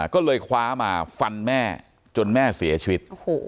ก็เลยคว้ามาฟันแม่จนแม่เสียชีวิต